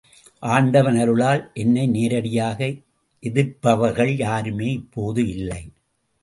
ஆண்டவன் அருளால் என்னை நேரடியாக எதிர்ப்பவர்கள் யாருமே இப்போது இல்லை.